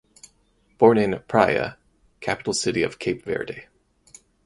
Born in Praia (capital city of Cape Verde).